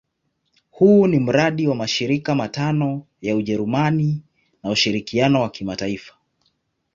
Huu ni mradi wa mashirika matano ya Ujerumani ya ushirikiano wa kimataifa.